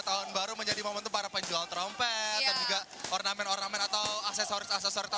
tahun baru menjadi momentum para penjual trompet dan juga ornamen ornamen atau aksesoris aksesoris